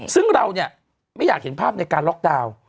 ซึ่งเราเนี่ยไม่อยากเห็นภาพในการล็อกดาวน์